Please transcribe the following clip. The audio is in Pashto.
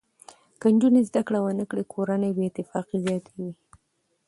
که نجونې زده کړه نه وکړي، کورنۍ بې اتفاقي زیاته وي.